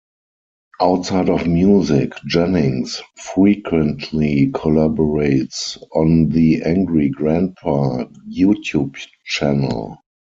Outside of music, Jennings frequently collaborates on The Angry Grandpa YouTube Channel.